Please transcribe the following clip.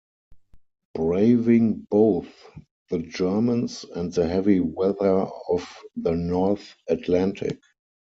Braving both the Germans and the heavy weather of the North Atlantic.